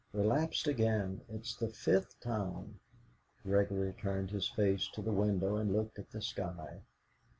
"Relapsed again; it's the fifth time." Gregory turned his face to the window, and looked at the sky.